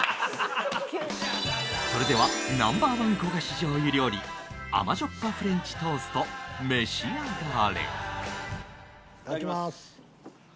それでは Ｎｏ．１ 焦がし醤油料理甘塩っぱフレンチトースト召し上がれいただきます。